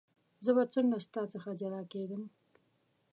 زه به څنګه ستا څخه جلا کېږم.